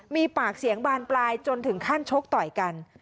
มีปากเสียงบานปลายจนถึงขั้นชกต่อยกัน